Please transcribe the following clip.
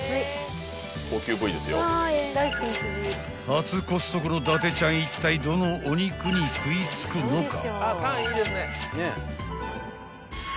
［初コストコの伊達ちゃんいったいどのお肉に食い付くのか？］